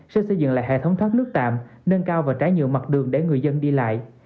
sẽ xây dựng lại hệ thống thoát nước tạm nâng cao và trái nhựa mặt đường để người dân đi lại